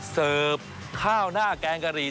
เสิร์ฟข้าวหน้าแกงกะหรี่